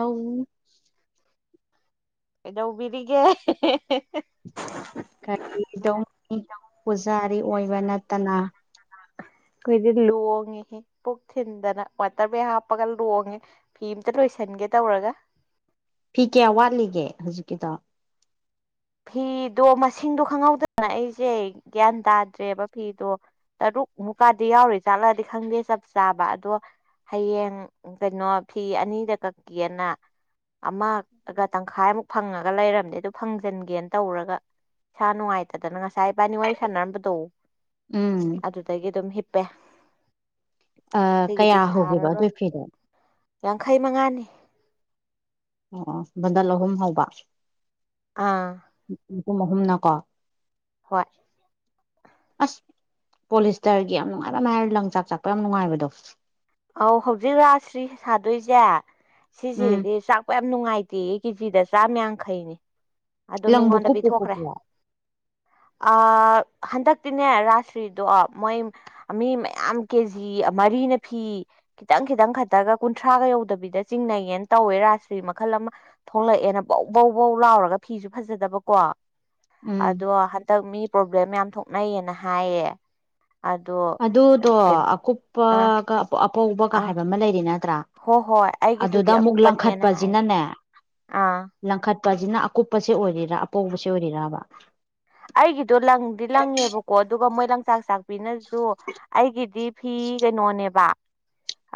ꯑꯥꯎ ꯀꯗ ꯎꯕꯤꯔꯤꯒꯦ ꯀꯔꯤꯗꯧ ꯄꯨꯖꯥꯔꯤ ꯑꯣꯏꯕ ꯅꯠꯇꯅ ꯑꯩꯈꯣꯏꯗꯤ ꯂꯣꯡꯉꯤꯍ ꯄꯨꯛ ꯊꯤꯟꯗꯅ ꯋꯥꯇꯔ ꯕꯦꯛ ꯍꯥꯞꯄꯒ ꯂꯣꯡꯉꯦ ꯐꯤ ꯑꯃꯇ ꯂꯣꯏꯁꯟꯒꯦ ꯇꯧꯔꯒ ꯐꯤ ꯀꯌꯥ ꯋꯥꯠꯂꯤꯒꯦ ꯍꯧꯖꯤꯛꯀꯤꯗꯣ ꯐꯤꯗꯣ ꯃꯁꯤꯡꯗꯣ ꯈꯪꯍꯧꯗꯗꯅ ꯑꯩꯁꯦ ꯒ꯭ꯌꯥꯟ ꯇꯥꯗ꯭ꯔꯦꯕ ꯐꯤꯗꯣ ꯇꯨꯛ ꯃꯨꯛꯀꯥꯗꯤ ꯌꯥꯎꯔꯤ ꯆꯥꯛꯠꯂꯗꯤ ꯈꯪꯗꯦ ꯆꯞ ꯆꯥꯕ ꯑꯗꯣ ꯍꯌꯦꯡ ꯀꯩꯅꯣ ꯐꯤ ꯑꯅꯤꯗ ꯀꯛꯀꯦꯅ ꯑꯃꯒ ꯇꯪꯈꯥꯏꯃꯨꯛ ꯐꯪꯉꯒ ꯂꯩꯔꯝꯅꯦ ꯑꯗꯨ ꯐꯪ ꯊꯖꯤꯟꯒꯦꯅ ꯇꯧꯔꯒ ꯁꯥ ꯅꯨꯡꯉꯥꯏꯇꯗꯅ ꯉꯁꯥꯏ ꯏꯕꯥꯅꯤ ꯋꯥꯔꯤ ꯁꯥꯟꯅꯔꯝꯕꯗꯣ ꯎꯝ ꯑꯗꯨꯗꯒꯤ ꯑꯗꯨꯝ ꯍꯤꯞꯄꯦ ꯑ ꯉꯁꯤꯒꯤꯗꯤ ꯀꯌꯥ ꯍꯧꯒꯦꯕ ꯁꯥꯔꯔꯣꯏ ꯑꯗꯨꯏ ꯐꯤꯗ ꯌꯥꯡꯈꯩ ꯃꯉꯥꯅꯤ ꯑꯣ ꯕꯗꯜ ꯑꯍꯨꯝ ꯍꯕ ꯑꯥ ꯄꯨꯝ ꯑꯍꯨꯝꯅꯀꯣ ꯍꯣꯏ ꯑꯁ ꯄꯣꯂꯤꯁꯇꯔꯒꯤ ꯌꯥꯝ ꯅꯨꯡꯉꯥꯏꯕ ꯑꯃ ꯍꯥꯏꯔꯦ ꯂꯪ ꯆꯥꯛ ꯆꯥꯛꯄ ꯌꯥꯝ ꯅꯨꯡꯉꯥꯏꯕꯗꯣ ꯑꯧ ꯍꯧꯖꯤꯛ ꯔꯥꯁꯤ꯭ꯔꯤ ꯁꯥꯗꯣꯏꯁꯦ ꯎꯝ ꯁꯤꯁꯤꯗꯒꯤ ꯆꯥꯛꯄ ꯅꯨꯡꯉꯥꯏꯇꯦꯌꯦ ꯀꯦꯖꯤꯗ ꯆꯥꯝ ꯌꯥꯡꯈꯩꯅꯤ ꯑꯗꯨ ꯂꯪꯕꯨ ꯃꯤꯉꯣꯟꯗ ꯀꯨꯞꯄꯨ ꯄꯤꯊꯣꯛꯈ꯭ꯔꯦ ꯀꯨꯞꯄꯨ ꯑꯥ ꯍꯟꯗꯛꯇꯤꯅꯦ ꯔꯥꯁꯔꯤꯗꯣ ꯃꯣꯏ ꯃꯤ ꯃꯌꯥꯝ ꯀꯦꯖꯤ ꯃꯔꯤꯅ ꯐꯤ ꯈꯤꯇꯪ ꯈꯤꯇꯪ ꯈꯠꯇꯒ ꯀꯨꯟꯊ꯭ꯔꯥꯒ ꯌꯧꯗꯕꯤꯗ ꯆꯤꯡꯅꯩꯌꯦꯅ ꯇꯧꯋꯦ ꯔꯥꯥꯁ꯭ꯔꯤ ꯃꯈꯜ ꯑꯃ ꯊꯣꯛꯂꯛꯑꯦ ꯕꯧ ꯕꯧ ꯕꯧ ꯂꯥꯎꯔꯒ ꯐꯤꯁꯨ ꯐꯖꯗꯕꯀꯣ ꯎꯝ ꯑꯗꯣ ꯍꯟꯗꯛ ꯃꯤ ꯄ꯭ꯔꯣꯕ꯭ꯂꯦꯝ ꯌꯥꯝ ꯊꯣꯛꯅꯩꯌꯦꯅ ꯍꯥꯏꯌꯦ ꯑꯗꯣ ꯑꯗꯨꯗꯣ ꯀꯩꯅꯣ ꯑꯥ ꯑꯀꯨꯞꯄꯒ ꯑꯄꯧꯕꯒ ꯑꯥ ꯍꯥꯏꯕ ꯑꯃ ꯂꯩꯗꯅ ꯇ꯭ꯔꯥ ꯍꯣ ꯍꯣꯏ ꯑꯗꯨꯗ ꯑꯩꯒꯤꯗꯨꯗꯤ ꯑꯃꯨꯛ ꯑꯀꯨꯞꯄꯅꯦꯅ ꯍꯥꯏ ꯂꯪꯈꯠꯄꯁꯤꯅꯅꯦ ꯑꯥ ꯇꯁꯤꯅ ꯑꯀꯨꯞꯄꯁꯦ ꯑꯣꯏꯔꯤꯔꯥ ꯑꯄꯧꯕꯁꯦ ꯑꯣꯏꯔꯤꯔꯕ ꯑꯩꯒꯤꯗꯣ ꯂꯪꯗꯤ ꯂꯪꯉꯦꯕꯀꯣ ꯑꯗꯨꯒ ꯃꯣꯏ ꯂꯪꯆꯥꯛ ꯆꯥꯛꯄꯤꯅꯁꯨ ꯑꯩꯒꯤꯗꯤ ꯐꯤ ꯀꯩꯅꯣꯅꯦꯕ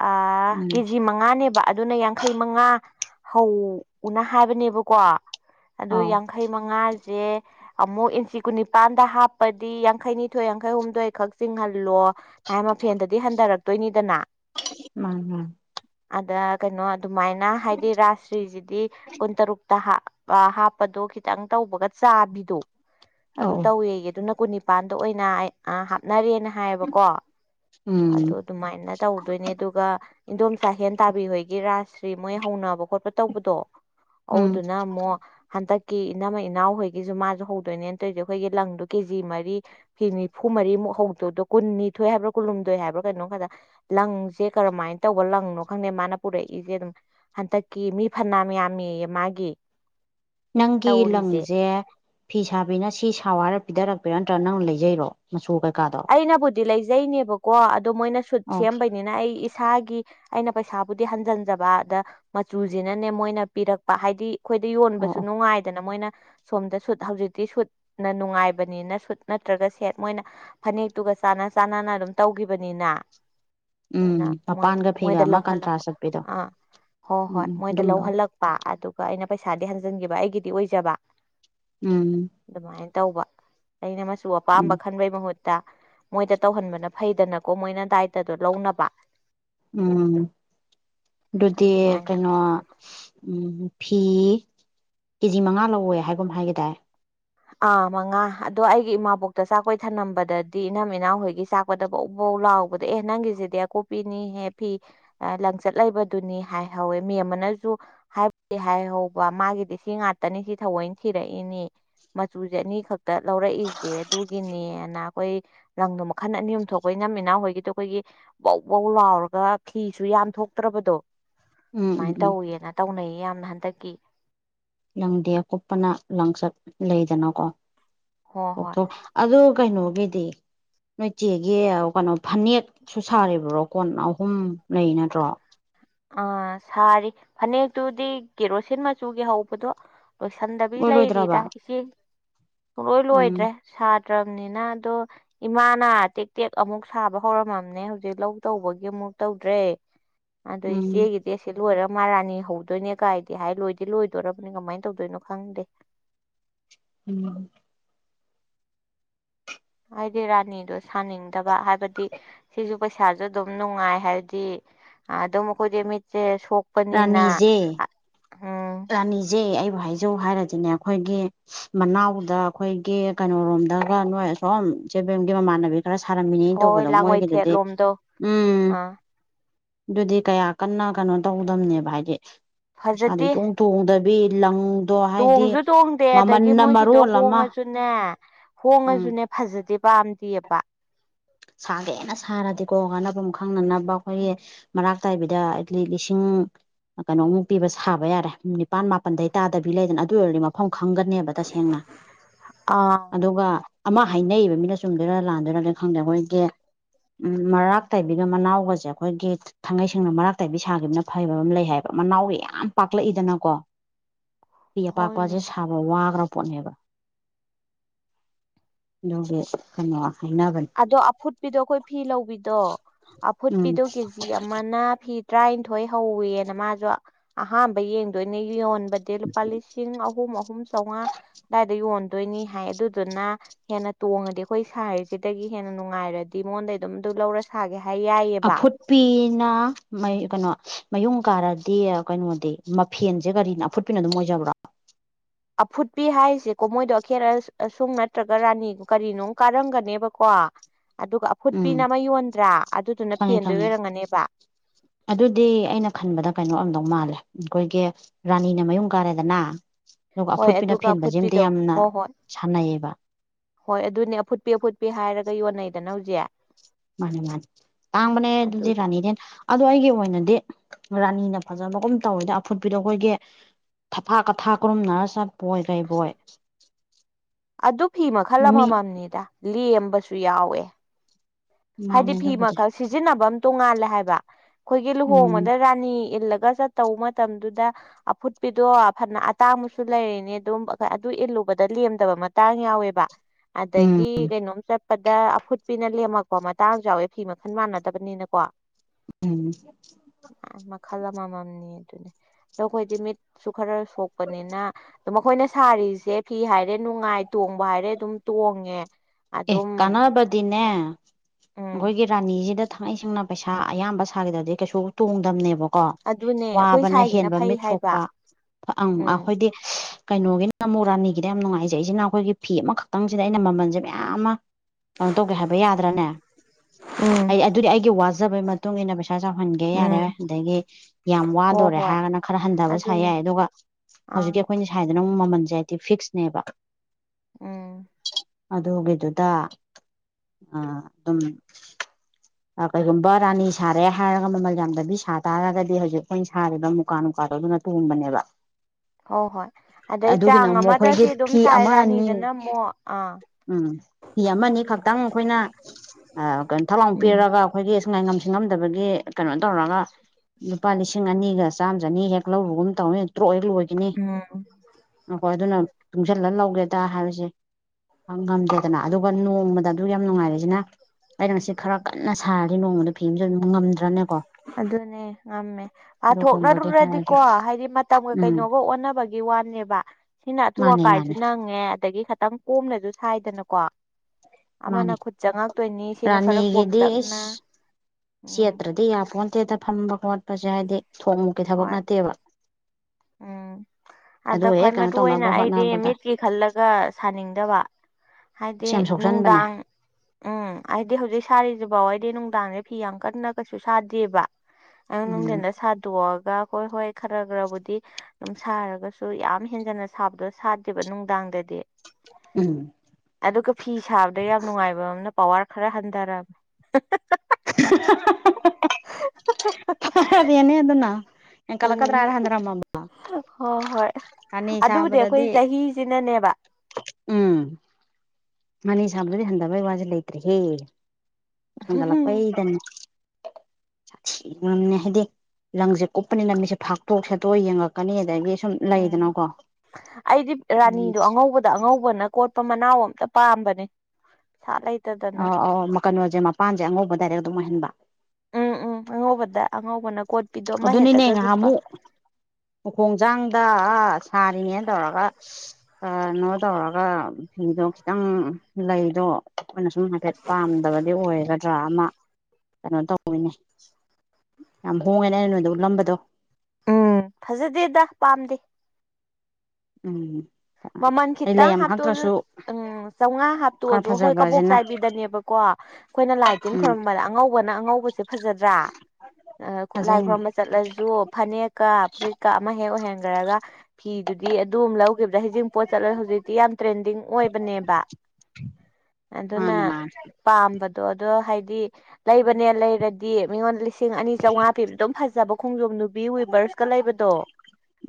ꯑꯥ ꯎꯝ ꯀꯦꯖꯤ ꯃꯉꯥꯅꯦꯕ ꯑꯗꯨꯅ ꯌꯥꯡꯈꯩ ꯃꯉꯥ ꯍꯧꯅ ꯍꯥꯏꯕꯅꯦꯕꯀꯣ ꯑꯗꯨ ꯑꯥꯎ ꯌꯥꯡꯈꯩ ꯃꯉꯥꯁꯦ ꯑꯃꯨꯛ ꯏꯟꯆꯤ ꯀꯨꯟꯅꯤꯄꯥꯟꯗ ꯍꯥꯞꯄꯗꯤ ꯌꯥꯡꯈꯩꯅꯤꯊꯣꯏ ꯌꯥꯡꯈꯩ ꯍꯨꯝꯗꯣꯏ ꯈꯛ ꯆꯤꯡꯍꯜꯂꯣ ꯍꯥꯏ ꯃꯐꯦꯟꯗꯗꯤ ꯍꯟꯗꯔꯛꯇꯣꯏꯅꯤꯗꯅ ꯃꯅꯤ ꯃꯅꯤ ꯑꯗ ꯀꯩꯅꯣ ꯑꯗꯨꯃꯥꯏꯅ ꯍꯥꯏꯗꯤ ꯔꯥꯁ꯭ꯔꯤꯁꯤꯗꯤ ꯀꯨꯟꯇꯔꯨꯛꯇ ꯍꯥꯞ ꯍꯥꯞꯄꯗꯣ ꯈꯤꯇꯪ ꯇꯧꯕꯒ ꯆꯥꯕꯤꯗꯣ ꯑꯧ ꯑꯗꯨ ꯑꯧ ꯇꯧꯋꯦꯌꯦ ꯑꯗꯨꯅ ꯀꯨꯟꯅꯤꯄꯥꯥꯟꯗꯣ ꯑꯣꯏꯅ ꯍꯥꯞꯅꯔꯦꯅ ꯍꯥꯏꯌꯦꯕꯀꯣ ꯑꯗꯣ ꯎꯝ ꯑꯗꯨꯃꯥꯏꯅ ꯇꯧꯗꯣꯏꯅꯦ ꯑꯗꯨꯒ ꯏꯟꯗꯣꯝꯆꯥ ꯍꯦꯟ ꯇꯥꯕꯤ ꯍꯣꯏꯒꯤ ꯔꯥꯁ ꯁꯤ ꯃꯣꯏ ꯍꯧꯅꯕ ꯈꯣꯠꯄ ꯇꯧꯕꯗꯣ ꯎꯝ ꯑꯗꯨꯗꯨꯅ ꯑꯃꯨꯛ ꯍꯟꯗꯛ ꯀꯤ ꯏꯅꯝꯃ ꯏꯅꯥꯎ ꯍꯣꯏꯒꯤꯁꯨ ꯃꯥꯁꯨ ꯍꯧ ꯗꯣꯏꯅꯦꯅ ꯇꯧꯏꯁꯦ ꯑꯩꯈꯣꯏꯒꯤ ꯂꯪꯗꯣ ꯀꯦꯖꯤ ꯃꯔꯤ ꯐꯤ ꯅꯤꯐꯨ ꯃꯔꯤꯃꯨꯛ ꯍꯧꯗꯣꯗꯣ ꯀꯨꯟꯅꯤꯊꯣꯏ ꯍꯥꯏꯕ꯭ꯔꯥ ꯀꯨꯨꯝꯂꯨꯝ ꯗꯣꯏ ꯍꯥꯏꯕ꯭ꯔ ꯀꯩꯅꯣ ꯈꯇ ꯂꯪꯁꯦ ꯀꯔꯝꯃꯥꯏꯅ ꯇꯧꯕ ꯂꯪꯅꯣ ꯈꯪꯗꯦ ꯃꯥꯅ ꯄꯨꯔꯛꯏꯁꯦ ꯑꯗꯨꯝ ꯍꯟꯇꯛ ꯀꯤ ꯃꯤ ꯐꯅ ꯌꯥꯝꯃꯦꯌꯦ ꯃꯥꯒꯤ ꯅꯪꯒꯤ ꯇꯧꯔꯤꯁꯦ ꯂꯪꯁꯦ ꯐꯤꯁ ꯁꯥꯕꯤꯅ ꯁꯤ ꯁꯥꯥꯎ ꯍꯥꯏꯔ ꯄꯤꯗꯔꯛꯄꯤꯔ ꯅꯠꯇ꯭ꯔ ꯅꯪ ꯂꯩꯩꯖꯩꯔꯣ ꯃꯆꯨꯒ ꯑꯩꯅꯕꯨꯗꯤ ꯂꯩꯖꯩꯅꯦꯕꯀꯣ ꯑꯗꯣ ꯃꯣꯏꯅ ꯁꯨꯠ ꯑꯧ ꯁꯦꯝꯕꯩꯅꯤꯅ ꯑꯩ ꯏꯁꯥꯒꯤ ꯑꯩꯅ ꯄꯩꯁꯥꯕꯨꯗꯤ ꯍꯟꯖꯟꯖꯕ ꯑꯗ ꯃꯆꯨꯁꯤꯅꯅꯦ ꯃꯣꯏꯅ ꯄꯤꯔꯛꯄ ꯍꯥꯏꯗꯤ ꯑꯩꯈꯣꯏꯗ ꯑꯣ ꯌꯣꯟꯕꯁꯨ ꯑꯣ ꯅꯨꯡꯉꯥꯏꯗꯅ ꯃꯣꯏꯅ ꯁꯣꯝꯗ ꯁꯨꯠ ꯍꯧꯖꯤꯛꯇꯤ ꯁꯨꯠꯅ ꯅꯨꯡꯉꯥꯏꯕꯅꯤꯅ ꯁꯨꯠ ꯅꯠꯇ꯭ꯔꯒ ꯁꯦꯠ ꯃꯣꯏꯅ ꯐꯅꯦꯛꯇꯨꯒ ꯆꯥꯟꯅ ꯆꯥꯟꯅꯅ ꯑꯗꯨꯝ ꯇꯧꯈꯤꯕꯅꯤꯅ ꯎꯝ ꯃꯣꯏ ꯃꯄꯥꯟꯒ ꯐꯤꯒ ꯃꯣꯏꯗ ꯑꯃ ꯂꯧꯍꯜꯂꯛꯄ ꯀꯟꯇ꯭ꯔꯥꯁ ꯆꯠꯄꯤꯗꯣ ꯑꯥ ꯍꯣꯏ ꯎꯝ ꯍꯣꯏ ꯎꯝ ꯃꯣꯏꯗ ꯑꯗꯨꯝꯕ ꯂꯧꯍꯜꯂꯛꯄ ꯑꯗꯨꯒ ꯑꯩꯅ ꯄꯩꯁꯥꯗꯤ ꯍꯟꯖꯤꯟꯈꯤꯕ ꯑꯩꯒꯤꯗꯤ ꯑꯣꯏꯖꯕ ꯎꯝ ꯑꯗꯨꯃꯥꯏꯅ ꯇꯧꯕ ꯑꯩꯅ ꯃꯆꯨ ꯎꯝ ꯑꯄꯥꯝꯕ ꯈꯟꯕꯩ ꯃꯍꯨꯠ ꯇꯥ ꯃꯣꯏꯗ ꯇꯧꯍꯟꯕꯅ ꯐꯩꯗꯅꯀꯣ ꯃꯣꯏꯅ ꯗꯥꯏꯇꯗꯣ ꯂꯧꯅꯕ ꯎꯝ ꯑꯗꯨꯗꯤ ꯑꯗꯨꯃꯥꯏꯅ ꯀꯩꯅꯣ ꯎꯝ ꯐꯤ ꯀꯦꯖꯤ ꯃꯉꯥ ꯂꯧꯋꯦ ꯍꯥꯏꯒꯨꯝ ꯍꯥꯏꯒꯤ ꯗꯥꯏ ꯑꯥ ꯃꯉꯥ ꯑꯗꯣ ꯑꯩꯒꯤ ꯏꯃꯥꯕꯣꯛꯇ ꯆꯥꯛꯀꯣꯏ ꯊꯅꯝꯕꯗꯗꯤ ꯏꯅꯝ ꯏꯅꯥꯎ ꯍꯣꯏꯒꯤ ꯆꯥꯛꯄꯗꯕꯧ ꯕꯧꯂꯥꯎꯕꯗ ꯑꯦ ꯅꯪꯒꯤꯁꯤꯗꯤ ꯑꯀꯨꯞꯄꯤꯅꯤ ꯍꯦ ꯐꯤ ꯂꯪꯆꯠ ꯂꯩꯕꯗꯨꯅꯤ ꯍꯥꯏꯍꯧꯋꯦ ꯃꯦꯝ ꯃꯅꯁꯨ ꯍꯥꯏꯕꯨꯗꯤ ꯍꯥꯏꯍꯧꯕ ꯃꯥꯒꯤꯗꯤ ꯁꯤ ꯉꯥꯛꯇꯅꯤ ꯁꯤ ꯊꯑꯣꯏꯅ ꯊꯤꯔꯛꯏꯅꯤ ꯃꯆꯨꯁꯦ ꯑꯅꯤꯈꯛꯇ ꯂꯧꯔꯛꯏꯁꯦ ꯑꯗꯨꯒꯤꯅꯦꯅ ꯑꯩꯈꯣꯏ ꯂꯪꯗꯣ ꯃꯈꯜ ꯑꯅꯤ ꯑꯍꯨꯝ ꯊꯣꯛꯄꯅꯤꯅ ꯃꯤꯅꯥ ꯍꯣꯏꯒꯤꯗꯣ ꯑꯩꯈꯣꯏꯒꯤ ꯕꯧ ꯕꯧ ꯂꯥꯎꯔꯒ ꯐꯤꯁꯨ ꯌꯥꯝ ꯊꯣꯛꯇ꯭ꯔꯕꯗꯣ ꯎꯝ ꯎꯝ ꯁꯨꯃꯥꯏꯅ ꯎꯝ ꯇꯧꯋꯦꯅ ꯇꯧꯅꯩꯌꯦ ꯌꯥꯝꯅ ꯍꯟꯗꯛꯀꯤ ꯂꯪꯗꯦ ꯑꯀꯨꯞꯄꯅ ꯂꯪꯆꯠ ꯂꯩꯗꯅꯀꯣ ꯍꯣꯏ ꯍꯣꯏ ꯀꯣꯛꯊꯣꯛ ꯑꯗꯨ ꯀꯩꯅꯣ ꯒꯤꯗꯤ ꯅꯣꯏꯆꯦꯒꯤ ꯀꯩꯅꯣ ꯐꯅꯦꯛꯁꯨ ꯁꯥꯔꯤꯕ꯭ꯔꯣ ꯀꯣꯟ ꯑꯍꯨꯝ ꯂꯩ ꯅꯠꯇ꯭ꯔꯣ ꯑꯥ ꯁꯥꯔꯤ ꯐꯅꯦꯛꯇꯨꯗꯤ ꯀꯦꯔꯣꯁꯤꯟ ꯃꯆꯨꯒꯤ ꯍꯧꯕꯗꯣ ꯂꯣꯏꯁꯟꯗꯕꯤ ꯂꯣꯏ ꯂꯣꯏꯗ꯭ꯔꯕ ꯂꯩꯔꯤꯗ ꯏꯆꯦ ꯁꯨꯡꯂꯣꯏ ꯎꯝ ꯂꯣꯏꯗ꯭ꯔꯦ ꯐꯠꯇ꯭ꯔꯕꯅꯤꯅ ꯑꯗꯣ ꯏꯃꯥꯅ ꯇꯦꯛ ꯇꯦꯛ ꯑꯃꯨꯛ ꯁꯥꯕ ꯍꯧꯔꯝꯃꯝꯃꯦ ꯍꯧꯖꯤꯛ ꯂꯧ ꯇꯧꯕꯒꯤ ꯑꯃꯨꯛ ꯇꯧꯗ꯭ꯔꯦ ꯑꯗꯨ ꯎꯝ ꯏꯆꯦꯒꯤꯗꯤ ꯁꯤ ꯂꯣꯏ ꯃꯥꯔꯥꯅꯤ ꯍꯧꯗꯣꯏꯅꯦ ꯀꯥꯏꯗꯤ ꯍꯥꯏ ꯂꯣꯏꯗꯤ ꯂꯣꯏꯗꯣꯔꯕꯅꯤ ꯀꯃꯥꯏꯅ ꯇꯧꯗꯣꯏꯅꯣ ꯈꯪꯗꯦ ꯎꯝ ꯍꯥꯏꯗꯤ ꯔꯥꯅꯤꯗꯣ ꯁꯥꯅꯤꯡꯗꯕ ꯍꯥꯏꯕꯗꯤ ꯁꯤꯁꯨ ꯄꯩꯁꯥꯁꯨ ꯑꯗꯨꯝ ꯅꯨꯡꯉꯥꯏ ꯍꯥꯏꯕꯗꯤ ꯑꯣ ꯃꯈꯈꯣꯏꯗꯤ ꯃꯤꯠꯁꯦ ꯁꯣꯛꯄꯅꯤꯅ ꯎꯝ ꯔꯥꯅꯤꯁꯦ ꯑꯩꯕꯨ ꯍꯥꯏꯖꯧ ꯍꯥꯏꯔꯗꯤꯅꯦ ꯑꯩꯈꯣꯏꯒꯤ ꯃꯅꯥꯎꯗ ꯑꯩꯈꯣꯏꯒꯤ ꯀꯩꯅꯔꯣꯝ ꯗꯒ ꯅꯨꯡꯉꯥꯏ ꯁꯣꯝ ꯆꯦꯕꯦꯝꯒꯤ ꯃ ꯃꯅꯅꯕꯕꯤ ꯈꯔ ꯁꯥꯔꯝꯃꯤꯅꯤ ꯍꯣꯏ ꯍꯣꯏ ꯇꯧꯕꯗꯣ ꯂꯥꯡꯉꯣꯏꯊꯦꯠ ꯃꯣꯏꯒꯤꯗꯨꯗꯤ ꯂꯣꯝꯗꯣ ꯎꯝ ꯑꯥ ꯑꯗꯨꯗꯤ ꯀꯌꯥ ꯀꯟꯅ ꯀꯩꯅꯣ ꯇꯧꯗꯕꯅꯦꯕ ꯍꯥꯏꯗꯤ ꯄꯩꯁꯥꯗꯨ ꯐꯖꯗꯦ ꯎꯗꯕꯤ ꯂꯪ ꯇꯣꯡꯁꯨ ꯇꯣꯡꯗꯦ ꯑꯗꯒꯤ ꯃꯣꯏꯒꯤꯗꯣ ꯃꯔꯣꯜ ꯑꯃ ꯍꯣꯡꯉꯁꯨꯅꯦ ꯎꯝ ꯍꯣꯡꯉꯁꯨꯅꯦ ꯐꯖꯗꯦ ꯄꯥꯝꯗꯦꯑꯕ ꯁꯥꯒꯦ ꯍꯦꯅ ꯁꯥꯔꯗꯤꯀꯣ ꯀꯥꯟꯅꯅꯕ ꯈꯪꯅꯅꯕ ꯑꯩꯈꯣꯏꯒꯤ ꯃꯔꯥꯛ ꯇꯥꯏꯕꯤꯗ ꯂꯤꯁꯤꯡ ꯀꯩꯅꯣꯃꯨꯛ ꯄꯤꯕ ꯁꯥꯕ ꯌꯥꯔꯦ ꯅꯤꯄꯥꯥꯟ ꯃꯥꯄꯜꯗꯩ ꯇꯥꯗꯕꯤ ꯂꯩꯗꯅ ꯑꯗꯨ ꯑꯣꯏꯔꯗꯤ ꯃꯐꯝ ꯈꯪꯒꯅꯦꯕ ꯇꯁꯦꯡꯅ ꯑꯥ ꯑꯗꯨꯒ ꯑꯃ ꯍꯥꯏꯅꯩꯕ ꯃꯤꯅ ꯆꯨꯝꯗꯣꯏꯔꯥ ꯂꯥꯟꯗꯣꯏꯔꯒ ꯈꯪꯗꯦ ꯑꯩꯈꯣꯏꯒꯤ ꯎꯝ ꯃꯔꯥꯛꯇꯥꯏꯕꯤꯒ ꯃꯅꯥꯎꯒꯁꯦ ꯑꯩꯈꯣꯏꯒꯤ ꯊꯥꯡꯒꯩꯁꯤꯡꯅ ꯃꯔꯥꯛꯇꯥꯏꯕꯤ ꯁꯥꯈꯤꯕꯅ ꯐꯕ ꯑꯃ ꯂꯩ ꯍꯥꯏꯕ ꯃꯅꯥꯎꯒ ꯌꯥꯝ ꯄꯥꯛꯂꯛꯏꯗꯅꯀꯣ ꯐ ꯍꯣꯏꯅꯦ ꯑꯄꯥꯛꯄꯁꯦ ꯁꯥꯕ ꯋꯥꯈ꯭ꯔ ꯄꯣꯠꯅꯦꯕ ꯑꯗꯨꯒꯤ ꯀꯩꯅꯣ ꯍꯥꯏꯅꯕ꯭ꯔ ꯑꯗꯣ ꯑꯐꯨꯠꯄꯤꯗꯣ ꯑꯩꯈꯣꯏ ꯐꯤ ꯂꯧꯕꯤꯗꯣ ꯎꯝ ꯑꯐꯨꯠꯄꯤꯗꯣ ꯀꯦꯖꯤ ꯑꯃꯅ ꯐꯤ ꯇꯔꯥꯅꯤꯊꯣꯏ ꯍꯧꯋꯅ ꯃꯥꯁꯨ ꯑꯍꯥꯝꯕ ꯌꯦꯡꯗꯣꯏꯅ ꯌꯣꯟꯕ ꯨ ꯂꯤ ꯑꯍꯨꯝ ꯑꯍꯨꯝꯃꯉꯥ ꯑꯗꯨꯋꯥꯏꯗ ꯌꯣꯟ ꯗꯣꯏꯅꯤ ꯍꯥꯏ ꯑꯗꯨꯗꯨꯅ ꯍꯦꯟꯅ ꯇꯣꯡꯉꯗꯤ ꯑꯩꯈꯣꯏ ꯁꯥꯔꯤꯁꯤꯦ ꯁꯤꯗꯒꯤ ꯍꯦꯟꯅ ꯅꯨꯡꯉꯥꯏꯔꯗꯤ ꯃꯉꯣꯟꯗꯩ ꯑꯗꯨꯝ ꯑꯗꯨ ꯂꯧꯔ ꯁꯥꯒꯦ ꯍꯥꯏ ꯌꯥꯏꯌꯦꯕ ꯑꯐꯨꯠꯄꯤꯅ ꯃꯩ ꯀꯩꯅꯣ ꯃꯌꯨꯡ ꯀꯥꯔꯗꯤ ꯀꯩꯅꯣꯗꯤ ꯃꯐꯦꯟꯁꯦ ꯀꯔꯤꯅ ꯑꯐꯨꯠꯄꯤꯅ ꯑꯗꯨꯝ ꯑꯣꯏꯖꯕ꯭ꯔꯣ ꯑꯐꯨꯠꯄꯤ ꯍꯥꯏꯁꯦꯀꯣ ꯃꯣꯏꯗꯣ ꯑꯈꯦꯔ ꯑꯁꯨꯡ ꯅꯠꯇ꯭ꯔꯒ ꯔꯥꯅꯤ ꯀꯔꯤꯅꯣ ꯀꯥꯔꯝꯒꯅꯦꯕꯀꯣ ꯀ ꯑꯗꯨꯒ ꯎꯝ ꯑꯐꯨꯠꯄꯤꯅ ꯑꯃ ꯌꯣꯟꯗ꯭ꯔꯥ ꯑꯗꯨꯗꯨꯅ ꯈꯪꯉꯦ ꯐꯦꯟꯗꯣ ꯈꯪꯉꯦ ꯌꯔꯝꯒꯅꯦꯕ ꯑꯗꯨꯗꯤ ꯑꯩꯅ ꯈꯟꯕꯗ ꯀꯩꯅꯣ ꯑꯝꯗꯧ ꯃꯥꯜꯂꯦ ꯑꯩꯈꯣꯏꯒꯤ ꯔꯥꯅꯤꯅ ꯃꯌꯨꯝ ꯀꯥꯔꯦꯗꯅ ꯑꯗꯨꯒ ꯍꯣꯏ ꯑꯐꯨꯠꯄꯤꯅ ꯑꯗꯨꯒ ꯐꯦꯟꯕꯁ ꯑꯇ ꯑꯐꯨꯠꯄꯤꯗꯣ ꯌꯥꯝꯅ ꯍꯣꯏ ꯍꯣꯏ ꯁꯥꯟꯅꯩꯌꯦꯕ ꯍꯣꯏ ꯇꯅꯎꯖꯤꯌꯥ ꯃꯥꯅꯤ ꯃꯥꯅꯤ ꯇꯥꯡꯕꯅꯦ ꯑꯗꯨꯗꯤ ꯑꯗꯨꯗꯣ ꯔꯥꯅꯤꯅꯦ ꯑꯗꯣ ꯑꯩꯒꯤ ꯑꯣꯏꯅꯗꯤ ꯔꯥꯅꯤꯅ ꯐꯖꯕꯒꯨꯝ ꯇꯧꯋꯤꯗ ꯑꯐꯨꯠꯄꯤꯗꯣ ꯑꯩꯈꯣꯏꯒꯤ ꯊꯊꯥꯛ ꯀꯊꯥ ꯀꯔꯨꯝꯅꯔ ꯆꯠꯄꯣꯏ ꯀꯩꯕꯣꯏ ꯑꯗꯨ ꯐꯤ ꯃꯈꯜ ꯃꯃꯤ ꯑꯃꯃꯝꯅꯤꯗ ꯂꯦꯝꯕꯁꯨ ꯌꯥꯎꯋꯦ ꯍꯥꯏꯗꯤ ꯃꯥꯅꯦ ꯐꯤ ꯑꯗꯨꯕꯨꯗꯤ ꯃꯈꯜ ꯁꯤꯖꯤꯟꯅꯕ ꯑꯃ ꯇꯣꯡꯉꯥꯜꯂꯦ ꯍꯥꯏꯕ ꯑꯩꯈꯣꯏꯒꯤ ꯎꯝ ꯂꯨꯍꯣꯡꯕꯗ ꯔꯥꯅꯤ ꯏꯜ ꯆꯧꯕ ꯃꯇꯝꯗꯨꯗ ꯑꯐꯨꯠꯄꯤꯗꯣ ꯐꯅ ꯑꯇꯥꯡꯕꯁꯨ ꯂꯩꯔꯤꯅꯤ ꯑꯗꯨꯝ ꯨꯕꯗ ꯂꯗꯕ ꯃꯇꯥꯡ ꯌꯥꯎꯋꯦꯕ ꯎꯝ ꯑꯗꯒꯤ ꯀꯩꯅꯣꯝ ꯆꯠꯄꯗ ꯑꯐꯨꯠꯄꯤꯅ ꯀꯣ ꯃꯇꯥꯡꯁꯨ ꯌꯥꯎꯋꯦ ꯐꯤ ꯃꯈꯜ ꯃꯥꯟꯅꯗꯕꯅꯤꯅ ꯀꯣ ꯎꯝ ꯑꯃ ꯈꯜ ꯃꯃꯝꯅꯤ [unintelligible] ꯑꯗꯣ ꯑꯩꯈꯣꯏꯗꯤ ꯃꯤꯠꯁꯨ ꯈꯔ ꯁꯣꯛꯄꯅꯤꯅ ꯑꯗꯣ ꯃꯈꯣꯏꯅ ꯁꯥꯔꯤꯁꯦ ꯐꯤ ꯍꯥꯏꯔꯦ ꯅꯨꯡꯉꯥꯏꯇꯣꯛ ꯇꯣꯡꯕ ꯍꯥꯏꯔꯦ ꯑꯗꯨꯝ ꯇꯣꯡꯉꯦ ꯑꯦ ꯑꯗꯨꯝ ꯀꯥꯟꯅꯕꯗꯤꯅꯦ ꯎꯝ ꯑꯩꯈꯣꯏꯒꯤ ꯔꯥꯅꯤꯁꯤꯅ ꯑꯪ ꯏꯁꯤꯡꯅ ꯄꯩꯁꯥ ꯑꯌꯥꯝꯕ ꯁꯥꯒꯗꯕꯗꯤ ꯀꯩꯁꯨ ꯇꯣꯡꯗꯕꯅꯦꯕꯣ ꯀꯣ ꯑꯗꯨꯅꯦ ꯑꯩꯈꯣꯏ ꯋꯥꯕꯅ ꯁꯥꯏꯁꯤꯅ ꯍꯦꯟꯕ ꯐꯩ ꯃꯤꯠ ꯍꯥꯏꯕ ꯁꯣꯛꯄ ꯑꯪ ꯎꯝ ꯑꯩꯈꯣꯏꯗꯤ ꯀꯩꯅꯣꯒꯤ ꯃꯨꯔꯥꯅꯤꯒꯤꯗ ꯌꯥꯝ ꯅꯨꯡꯉꯥꯏꯖꯩꯁꯤꯅ ꯑꯩꯈꯣꯏꯒꯤ ꯐꯤ ꯑꯃꯈꯛꯇꯪꯁꯤꯗ ꯑꯩꯅ ꯃꯃꯜꯁꯦ ꯃꯌꯥꯝ ꯀꯩꯅꯣ ꯇꯧꯒꯦ ꯍꯥꯏꯕ ꯌꯥꯗ꯭ꯔꯅꯦ ꯎꯝ ꯑꯩ ꯑꯗꯨꯗꯤ ꯑꯩꯒꯤ ꯋꯥꯖꯕꯩ ꯃꯇꯨꯡ ꯏꯟꯅ ꯈꯔ ꯆꯥꯎꯍꯟꯒꯦ ꯌꯥꯔꯦ ꯎꯝ ꯑꯗꯒꯤ ꯌꯥꯝ ꯍꯣ ꯋꯥꯗꯣꯔꯦ ꯍꯣꯏ ꯍꯥꯏꯔꯒꯅ ꯈꯔ ꯍꯟꯊꯕꯁꯨ ꯑꯗꯨꯅꯦ ꯌꯥꯏ ꯑꯗꯨꯒ ꯑꯥ ꯍꯧꯖꯤꯛꯀꯤ ꯑꯩꯈꯣꯏꯅ ꯁꯥꯏꯗꯅ ꯑꯃꯨꯛ ꯃꯃꯜꯁꯦ ꯍꯥꯏꯗꯤ ꯐꯤꯛꯁꯅꯦꯕ ꯎꯝ ꯑꯗꯨꯒꯤꯗꯨꯗ ꯑꯗꯨꯝ ꯀꯩꯒꯨꯝꯕ ꯔꯥꯅꯤ ꯁꯥꯔꯦ ꯍꯥꯏꯔꯒ ꯃꯃꯜ ꯌꯥꯝꯗꯕꯤ ꯁꯥ ꯇꯥꯔꯒꯗꯤ ꯍꯧꯖꯤꯛ ꯑꯩꯈꯣꯏꯅ ꯁꯥꯔꯤꯕ ꯃꯨꯀꯥꯟ ꯃꯀꯥꯟ ꯄꯔ ꯑꯗꯨꯅ ꯇꯕꯅꯦꯕ ꯍꯣꯏ ꯍꯣꯏ ꯑꯗꯩ ꯆꯥꯡ ꯑꯃꯗ ꯁꯤ ꯑꯩꯈꯣꯏꯒꯤ ꯑꯗꯨꯝ ꯐꯤ ꯁꯥꯏ ꯑꯃ ꯑꯅꯤ ꯔꯥꯅꯤꯗꯅ ꯑꯃꯛ ꯑꯥ ꯎꯝ ꯍꯤ ꯑꯃꯅꯤ ꯈꯛꯇꯪ ꯑꯩꯈꯣꯏꯅ ꯀꯩꯅꯣ ꯊꯧꯂꯥꯎ ꯎꯝ ꯄꯤꯔꯒ ꯑꯩꯈꯣꯏꯒꯤ ꯁꯉꯥꯏꯝ ꯁꯤꯡꯉꯝꯗꯕꯒꯤ ꯀꯩꯅꯣ ꯇꯧꯔꯒ ꯂꯨꯄꯥ ꯂꯤꯁꯤꯡ ꯑꯅꯤꯒ ꯆꯥꯝꯃ ꯆꯅꯤ ꯍꯦꯛ ꯂꯧꯔꯨꯒꯨꯝ ꯇꯧꯅꯤ ꯇ꯭ꯔꯣꯛꯑꯏ ꯂꯣꯏꯈꯤꯅꯤ ꯎꯝ ꯑꯩꯈꯣꯏ ꯑꯗꯨꯅ ꯇꯨꯡꯁꯤꯜꯂ ꯂꯧꯒꯦꯗ ꯍꯥꯏꯔꯤꯁꯦ ꯉꯝꯗꯦꯗꯅ ꯑꯗꯨꯒ ꯅꯣꯡꯃꯗ ꯑꯗꯨ ꯌꯥꯝ ꯅꯨꯡꯉꯥꯏꯔꯦꯁꯤꯅ ꯑꯩꯅ ꯉꯁꯤ ꯈꯔ ꯀꯟꯅ ꯁꯥꯔꯗꯤ ꯅꯣꯡꯃꯗ ꯐꯤꯝꯁꯨ ꯑꯗꯨꯝ ꯉꯝꯗ꯭ꯔꯅꯦꯀꯣ ꯑꯗꯨꯅꯦ ꯉꯝꯃꯦ ꯑꯗꯨꯒꯨꯝꯕꯒꯤ ꯍꯥꯏꯔꯗꯤ ꯑꯥꯊꯣꯛꯅꯔꯨꯔꯗꯤꯀꯣ ꯍꯥꯏꯗꯤ ꯃꯇꯝꯒ ꯎꯝ ꯀꯩꯅꯣꯒ ꯑꯣꯟꯅꯕꯒꯤ ꯋꯥꯅꯤ ꯅꯦꯕ ꯁꯤꯅ ꯑꯊꯨ ꯃꯥꯅꯦ ꯃꯥꯅꯦ ꯑꯀꯥꯏꯁꯨ ꯅꯪꯉꯦ ꯑꯗꯒꯤ ꯈꯤꯇꯪ ꯀꯣꯝꯅꯁꯨ ꯁꯥꯏꯗꯅꯀꯣ ꯑꯃꯅ ꯃꯥꯅꯦ ꯈꯨꯠ ꯆꯪꯉꯛꯇꯣꯏꯅꯤ ꯁꯤꯅ ꯈꯔ ꯀꯣꯝꯇꯛꯅ ꯎꯝ ꯁꯦꯠꯇ꯭ꯔꯗꯤ ꯌꯥꯄꯣꯟꯇꯦꯗ ꯐꯝꯕ ꯈꯣꯠꯄꯁꯦ ꯍꯥꯏꯗꯤ ꯊꯣꯡ ꯃꯨꯛꯀꯤ ꯊꯕꯛ ꯍꯣꯏ ꯅꯠꯇꯦꯕ ꯎꯝ ꯑꯗꯨ ꯑꯗ ꯍꯦꯛ ꯈ꯭ꯋꯥꯏ ꯀꯩꯅꯣ ꯃꯔꯨꯑꯣ ꯑꯣꯏꯅ ꯇꯧꯅꯕ ꯑꯩꯗꯤ ꯍꯣꯠꯅꯕꯗ ꯃꯤꯠꯀꯤ ꯈꯜꯂꯒ ꯁꯥꯅꯤꯡꯗꯕ ꯑꯁ ꯍꯥꯏꯗꯤ ꯌꯥꯝ ꯁꯣꯛꯆꯟꯕꯅꯦ ꯅꯨꯡꯗꯥꯡ ꯎꯝ ꯍꯥꯏꯗꯤ ꯍꯧꯖꯤꯛ ꯁꯥꯔꯤꯁꯤ ꯐꯥꯎ ꯅꯨꯡꯗꯥꯡ ꯐꯤ ꯌꯥꯝ ꯀꯟꯅ ꯀꯩꯁꯨ ꯁꯥꯗꯦꯕ ꯎꯝ ꯅꯨꯡꯊꯗ ꯍꯣꯏ ꯈꯔ ꯈꯔꯕꯨ ꯑꯗꯨꯔꯒ ꯌꯥꯝ ꯍꯦꯟ ꯁꯥꯕꯗ ꯁꯥꯗꯦꯕ ꯗꯥꯥꯡꯗꯗꯤ ꯎꯝ ꯑꯗꯨꯒ ꯐꯤ ꯁꯥꯕꯗ ꯌꯥꯝ ꯅꯨꯡꯉꯥꯏꯕ ꯑꯅ ꯄꯋꯥꯔ ꯈꯔ ꯍꯟꯊꯔꯃꯦ [inaudible] ꯅꯦ ꯑꯗꯨꯅ ꯌꯦ ꯀꯂꯀꯗ꯭ꯔ ꯎꯝ ꯌꯥꯔꯍꯟ꯭ꯔꯃꯃ ꯍꯣꯏ ꯍꯣꯏ ꯍꯅꯤ ꯑꯗꯨꯕꯨꯗꯤ ꯑꯩꯈꯣꯏ ꯁꯥꯕꯗꯗꯤ ꯆꯍꯤꯁꯤꯅꯅꯦꯕ ꯎꯝ [inaudible] ꯃꯥꯅꯤ ꯁꯥꯕꯗꯗꯤ ꯍꯟꯊꯕꯒꯤ ꯋꯥꯁꯦ ꯂꯩꯇ꯭ꯔꯦꯍꯦ ꯍꯟꯒꯠꯂꯛꯄꯩꯗ ꯃꯝꯅꯦ ꯍꯥꯏꯗꯤ ꯂꯪꯁꯦ ꯀꯨꯞꯄꯅꯤꯅ ꯃꯤꯁꯦ ꯐꯥꯛꯇꯣꯛ ꯁꯦꯠꯇꯣꯛ ꯌꯦꯡꯉꯛꯀꯅꯤ ꯑꯗꯒꯤ ꯁꯨꯝ ꯎꯝ ꯂꯩꯗꯅꯀꯣ ꯑꯩꯗꯤ ꯎꯝ ꯔꯥꯅꯤꯗꯣ ꯑꯉꯧꯕꯗ ꯑꯉꯧꯕꯅ ꯀꯣꯠꯄ ꯂꯄ ꯃꯅꯥꯎ ꯑꯝꯇ ꯄꯥꯝꯕꯅꯦ ꯁꯥ ꯑ ꯂꯩꯇꯗꯅ ꯑꯧ ꯀꯩꯅꯣꯁꯦ ꯃꯄꯥꯟꯁꯦ ꯑꯉꯧꯕ ꯗꯥꯏꯔꯦꯛ ꯑꯗꯨꯝ ꯑꯣꯏꯍꯟꯕ ꯎꯝ ꯎꯝ ꯑꯉꯧꯕꯗ ꯑꯉꯧꯕꯅ ꯀꯣꯠ ꯑꯗꯨꯅꯤꯅꯦ ꯉꯥꯏꯍꯥꯛ ꯑꯃꯨꯛ ꯃꯈꯣꯡ ꯆꯥꯡ ꯗ ꯁꯥꯔꯤꯉ ꯇꯧꯔꯒ ꯀꯩꯅꯣ ꯇꯧꯔꯒ ꯐꯤꯗꯣ ꯈꯤꯇꯪ ꯂꯩꯗꯣ ꯑꯩꯈꯣꯏꯅ ꯁꯨꯝ ꯍꯥꯏꯐꯦꯠ ꯄꯥꯝꯗꯕꯗꯤ ꯑꯣꯏꯒꯗ꯭ꯔꯥ ꯑꯃ ꯀꯩꯅꯣ ꯇꯧꯅꯦ ꯌꯥꯝ ꯍꯣꯡꯉꯦꯅꯦ ꯑꯩꯅ ꯅꯣꯏꯗ ꯎꯠꯂꯝꯕꯗꯣ ꯎꯝ ꯐꯖꯗꯦꯗ ꯄꯥꯝꯗꯦ ꯎꯝ ꯃꯃꯜ ꯑꯩ ꯂꯩ ꯈꯤꯇꯪ ꯌꯥꯝ ꯍꯥꯞꯇꯣꯛꯑꯁꯨ ꯍꯛꯇ꯭ꯔꯁꯨ ꯎꯝ ꯆꯥꯃꯉꯥ ꯈꯔ ꯍꯥꯞꯇꯣꯛꯑꯁꯨ ꯍꯣꯏ ꯀꯕꯣꯛ ꯐꯖꯕꯁꯤꯅ ꯆꯥꯏꯕꯤꯗꯅꯦꯕꯀꯣ ꯑꯩꯈꯣꯏꯅ ꯂꯥꯏ ꯇꯤꯟ ꯎꯝ ꯈꯣꯏꯔꯨꯝꯝꯕꯗ ꯑꯉꯧꯕꯅ ꯑꯉꯧꯕꯁꯦ ꯐꯖꯗ꯭ꯔꯥ ꯂꯥꯏ ꯐꯖꯩꯅꯦ ꯈꯨꯔꯨꯝꯝꯕ ꯆꯠꯂꯁꯨ ꯐꯅꯦꯛꯀ ꯐꯨꯔꯤꯠꯀ ꯑꯃ ꯍꯦꯛ ꯑꯣꯏꯍꯦꯟ ꯔꯒ ꯐꯤꯗꯨꯗꯤ ꯑꯗꯨꯝ ꯂꯧꯈꯤꯕ ꯑꯗ ꯍꯩꯖꯤꯡ ꯄꯣꯠ ꯆꯠꯂꯒ ꯍꯧꯖꯤꯛꯇꯤ ꯌꯥꯝ ꯇ꯭ꯔꯦꯟꯗꯤꯡ ꯑꯣꯏꯕꯅꯦꯕ ꯑꯗꯨꯅ ꯃꯥꯅꯦ ꯃꯥꯅꯦ ꯄꯥꯝꯕꯗ ꯑꯣ ꯑꯗꯣ ꯍꯥꯏꯗꯤ ꯂꯩꯕꯅꯦ ꯂꯩꯔꯗꯤ ꯃꯤꯉꯣꯟ ꯂꯤꯁꯤꯡ ꯂꯤꯁꯤꯡ ꯑꯅꯤ ꯆꯥꯝꯃꯉꯥ ꯄꯤꯕ ꯑꯗꯨꯝ ꯐꯖꯕ ꯈꯣꯡꯖꯣꯝ ꯅꯨꯕꯤ ꯋꯤꯕꯔꯁꯀ ꯂꯩꯕꯗꯣ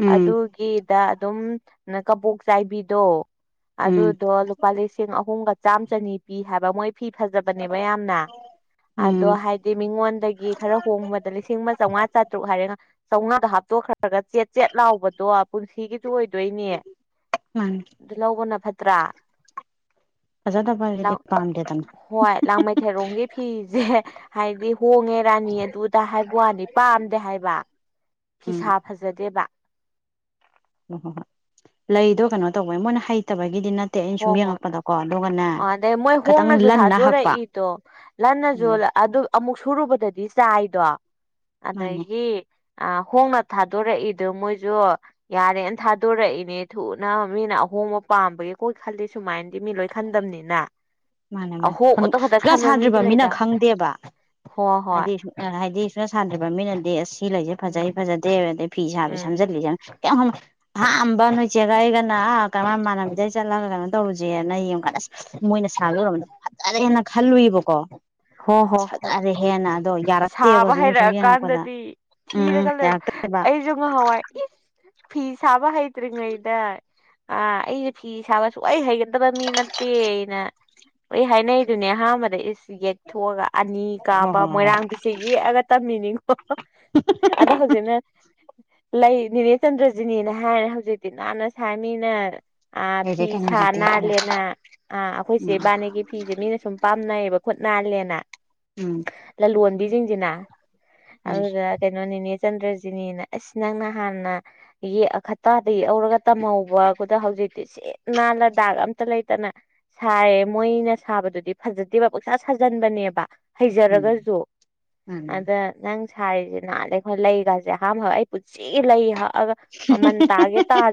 ꯎꯝ ꯑꯗꯨꯗꯒꯦꯗ ꯑꯗꯨꯝ ꯀꯕꯣꯛ ꯆꯥꯏꯕꯤꯗꯣ ꯎꯝ ꯑꯗꯨꯗꯣ ꯂꯨꯄꯥ ꯂꯤꯁꯤꯡ ꯑꯍꯨꯝꯒ ꯆꯥꯝ ꯆꯅꯤ ꯄꯤ ꯍꯥꯏꯕ ꯃꯣꯏ ꯐꯤ ꯐꯖꯕꯅꯦꯕ ꯌꯥꯝꯅ ꯑꯗꯣ ꯎꯝ ꯍꯥꯏꯗꯤ ꯃꯤꯉꯣꯟꯗꯒꯤ ꯈꯔ ꯍꯣꯡꯕꯗ ꯂꯤꯁꯤꯡ ꯑꯃ ꯆꯥꯝꯃꯉꯥ ꯆꯥꯇ꯭ꯔꯨꯛ ꯍꯥꯏꯔꯦꯒ ꯆꯧꯅꯥꯗꯣ ꯍꯥꯞꯇꯣꯛꯈ꯭ꯔꯒ ꯆꯦꯠ ꯆꯦꯠ ꯂꯥꯎꯕꯗꯣ ꯄꯨꯟꯁꯤꯒꯤꯁꯨ ꯑꯣꯏꯗꯣꯏꯅꯤ ꯃꯥꯅꯦ ꯑꯗꯨ ꯂꯧꯕꯅ ꯐꯠꯇ꯭ꯔꯥ ꯂ ꯐꯖꯗꯕꯒꯤꯗꯤ ꯄꯥꯝꯗꯦꯗꯅ ꯍꯣꯏ ꯂꯥꯡ ꯃꯩ ꯊꯦꯔꯣꯡꯒꯤꯦ ꯐꯤꯁꯦ ꯍꯥꯏꯗꯤ ꯍꯣꯡꯉꯦ ꯔꯥꯅꯤ ꯑꯗꯨꯗ ꯍꯥꯏꯕ ꯋꯥꯅꯤ ꯄꯥꯝꯗꯦ ꯍꯥꯏꯕ ꯎꯝ ꯐꯤꯁꯥ ꯐꯖꯗꯦꯕ ꯍꯣꯏ ꯍꯣ ꯍꯣꯏ ꯂꯩꯗꯣ ꯀꯩꯅꯣ ꯇꯧꯕꯅꯦ ꯃꯣꯏꯅ ꯍꯩꯇꯕ ꯍꯣꯏ ꯍꯣꯏ ꯑꯗꯩ ꯃꯣꯏ ꯈꯇꯪ ꯍꯣꯡꯅꯁꯨ ꯂꯟꯅ ꯍꯛꯄ ꯊꯥꯗꯣꯔꯛꯏꯗꯣ ꯂ ꯎꯝ ꯑꯗꯨ ꯑꯃꯨꯛ ꯁꯨꯔꯨꯕꯗꯗꯤ ꯆꯥꯏꯗꯣ ꯃꯥꯅꯦ ꯑꯗꯒꯤ ꯑ ꯍꯣꯡꯅ ꯊꯥꯗꯣꯔꯛꯏꯗ ꯃꯣꯏꯁꯨ ꯌꯥꯔꯦꯅ ꯊꯥꯗꯣꯔꯛꯏꯅꯦ ꯊꯨꯅ ꯃꯤꯅ ꯑ ꯍꯍꯣꯡꯕ ꯄꯥꯝꯕꯒꯤ ꯀꯣꯏ ꯈꯜꯂꯤ ꯁꯨꯃꯥꯏꯅꯗꯤ ꯃꯤ ꯂꯣꯏ ꯈꯟꯗꯝꯕꯅꯤꯅ ꯃꯥꯅꯦ ꯃꯥꯅꯦ ꯀ꯭ꯂꯥꯁ ꯃꯤꯁꯨ ꯁꯥꯗ꯭ꯔꯤꯕ ꯃꯤꯅ ꯂꯩꯗ ꯈꯪꯗꯦꯕ ꯍꯣꯏ ꯍꯣꯏ ꯍꯥꯏꯗꯤ ꯍꯥꯏꯗꯤ ꯁꯅ ꯁꯥꯟꯗ꯭꯭ꯔꯕ ꯃꯤꯅꯗꯤ ꯑꯁ ꯁꯤ ꯂꯩꯁꯦ ꯐꯖꯩ ꯎꯝ ꯐꯖꯗꯦ ꯑꯗꯩ ꯐꯤ ꯁꯥꯕꯁꯦ ꯎꯝ ꯁꯝꯖꯤꯜꯂꯤꯁꯦ ꯌꯥꯝ ꯍ ꯑꯍꯝꯕ ꯅꯣꯏꯆꯦꯒ ꯑꯩꯒꯅ ꯀꯃꯥꯏ ꯃꯥꯟꯅꯕꯤꯗꯩ ꯆꯠꯂꯒ ꯀꯩꯅꯣ ꯇꯧꯔꯨꯁꯦꯅ ꯌꯦꯡꯒꯠꯂꯁꯦ ꯃꯣꯏꯅ ꯁꯥꯒꯝꯕꯗꯣ ꯐꯖꯅ ꯍꯦꯟꯅ ꯈꯜꯂꯨꯏꯕꯀꯣ ꯍꯣꯏ ꯍꯣꯏ ꯍꯣꯏ ꯐꯖꯔꯦ ꯍꯦꯟꯅ ꯑꯗꯣ ꯌꯥꯔꯛꯇꯦꯕ ꯁꯥꯕ ꯍꯧꯖꯤꯛ ꯁꯨꯝ ꯌꯦꯡꯉꯛꯄꯗ ꯍꯩꯔꯛꯑꯀꯥꯟꯗꯗꯤ ꯊꯤꯔꯦ ꯎꯝ ꯀꯂꯗꯔ ꯌꯥꯔꯛꯇꯦꯕ ꯑꯩꯖ ꯍꯋꯥꯏ ꯐꯤ ꯁꯥꯕ ꯍꯥꯏꯇꯔꯤ ꯉ ꯏꯗ ꯑꯥ ꯑꯩꯁꯦ ꯐꯤ ꯁꯥꯕꯁꯨ ꯑꯩ ꯍꯩꯒꯗꯕ ꯃꯤ ꯅꯠꯇꯦꯅ ꯑꯩ ꯍꯥꯏꯅꯩꯗꯨꯅꯦ ꯑꯍꯥꯟꯕꯗ ꯏꯁꯁꯤ ꯌꯦ ꯑꯅꯤ ꯍꯣꯏ ꯀꯥꯕ ꯍꯣꯏ ꯍꯣꯏ ꯃꯣꯏꯔꯥꯡꯕꯤꯁꯦ ꯌꯦꯛꯑꯒ ꯇꯝꯃꯤꯅꯤꯡꯉꯣ ꯑꯗ ꯍꯧꯖꯤꯅ ꯂꯩ ꯅꯤꯅꯦ ꯆꯟꯗ꯭ꯔꯖꯤꯅꯤꯅ ꯍꯥꯏꯔꯦ ꯍꯧꯖꯤꯛꯇꯤ ꯅꯥꯟꯅ ꯁꯥꯏꯃꯤꯅ ꯑ ꯂꯩꯔꯦ ꯐꯤ ꯀꯩꯅꯣ ꯁꯥ ꯍꯧꯖꯤꯛꯇꯤ ꯍꯥꯏꯅ ꯅꯥꯜꯂꯦꯅ ꯑ ꯑꯩꯈꯣꯏꯁꯦ ꯎꯝ ꯏꯕꯥꯅꯤꯒꯤ ꯐꯤꯁꯦ ꯃꯤꯅ ꯁꯨꯝ ꯄꯥꯝꯅꯩꯌꯦꯕ ꯈꯨꯠꯅ ꯅꯥꯜꯂꯦꯅ ꯎꯝ ꯂꯂꯣꯟꯕꯤꯁꯤꯡꯁꯤꯅ ꯍꯣꯏ ꯑꯗꯨ ꯀꯩꯅꯣꯅꯤꯅꯦ ꯆꯟꯗ꯭ꯔꯖꯤꯅꯤꯅ ꯑꯁꯤꯁ ꯅꯪ ꯅ ꯍꯥꯟꯅ ꯌꯦꯛꯈꯇꯥꯗꯒꯤ ꯌꯧꯔꯒ ꯇꯝꯍꯧꯕ ꯈꯨꯗ ꯍꯧꯖꯤꯛꯇꯤꯁꯦ ꯅꯥ ꯂꯗꯥꯛ ꯑꯝꯇ ꯂꯩꯇꯅ ꯁꯥꯏꯌꯦ ꯃꯣꯏꯅ ꯁꯥꯕꯗꯨꯗꯤ ꯐꯖꯗꯦꯕ ꯄꯁꯥ ꯁꯥꯖꯟꯕꯅꯦꯕ ꯎꯝ ꯍꯩꯖꯔꯒꯁꯨ ꯃꯥꯅꯤ ꯑꯗ ꯅꯪ ꯁꯥꯔꯤꯁꯦ ꯅꯍꯥꯟꯗꯩ ꯑꯩꯈꯣꯏ ꯂꯩꯒꯥꯁꯦ ꯑꯍꯥꯟꯕꯈꯛ ꯑꯩ ꯄꯨꯟꯁꯤ ꯂꯩ ꯍꯛꯑꯒ ꯃꯥꯅꯤ ꯃꯃꯟ ꯇꯥꯒꯦ ꯇꯥ